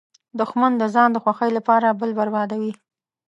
دښمن د ځان د خوښۍ لپاره بل بربادوي